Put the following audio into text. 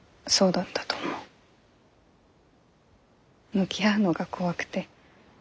向き合うのが怖くて。